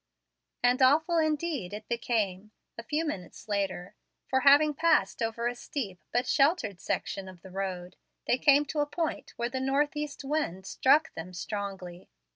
And awful, indeed, it became, a few minutes later; for, having passed over a steep but sheltered section of the road, they came to a point where the north east wind struck them strongly.